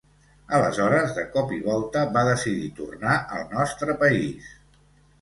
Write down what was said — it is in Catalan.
Aleshores, de cop i volta, va decidir tornar al nostre país.